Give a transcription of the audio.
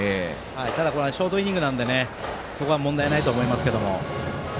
ただ、ショートイニングなのでそこは問題ないと思いますけど。